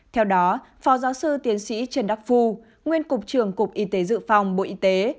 theo đó phó giáo sư tiến sĩ trần đắc phu nguyên cục trưởng cục y tế dự phòng bộ y tế